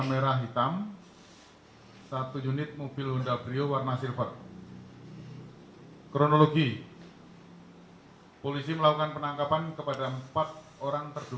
sekarang teman teman dari petugas anti teror sedang melakukan pengejaran terus